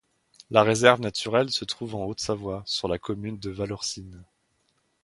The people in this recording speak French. La réserve naturelle se trouve en Haute-Savoie sur la commune de Vallorcine.